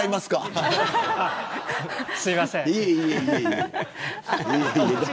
すみません。